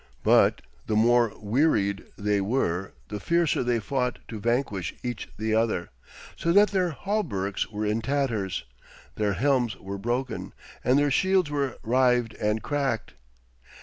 But the more wearied they were the fiercer they fought to vanquish each the other, so that their hauberks were in tatters, their helms were broken, and their shields were rived and cracked.